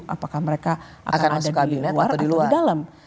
apakah mereka akan ada di luar atau di dalam